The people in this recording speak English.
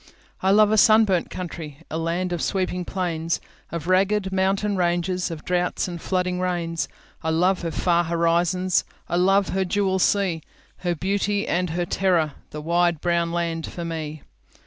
I love a sunburnt country,A land of sweeping plains, Of ragged mountain ranges, Of droughts and flooding rains.I love her far horizons,I love her jewel sea, Her beauty and her terror—The wide brown land for me!